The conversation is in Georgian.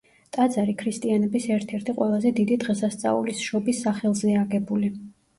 ტაძარი ქრისტიანების ერთ-ერთი ყველაზე დიდი დღესასწაულის შობის სახელზეა აგებული.